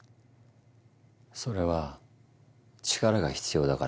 それは力が必要だから。